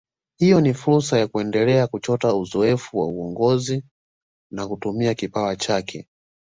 Hiyo ni fursa ya kuendelea kuchota uzoefu wa uongozi na kutumia kipawa chake